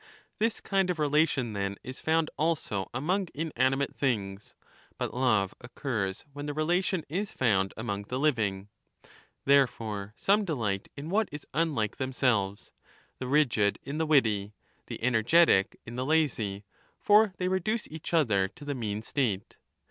This kind of relation then is found also among,, .^'' inanimate things; but love occurs when the relation 1540 found among the living. Therefore some delight in what 1240^ ' Cf. 1238" 34. ' Cf. Plat. Symp. 191 D. I240^ ETHICA EUDEMIA is unlike themselves, the rigid in the witty, the energetic in the lazy ; for they reduce each other to the mean state.